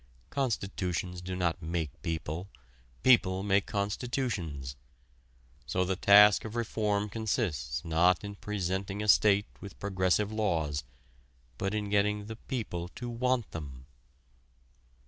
Constitutions do not make people; people make constitutions. So the task of reform consists not in presenting a state with progressive laws, but in getting the people to want them.